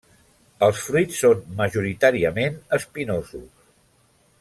Els fruits són majoritàriament espinosos.